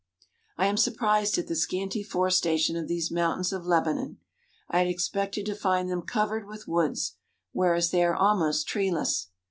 I am surprised at the scanty forestation of these moun tains of Lebanon. I had expected to find them covered with woods, whereas they are almost treeless.